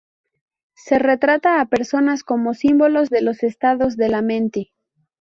Se retrata a personas como símbolos de los estados de la mente.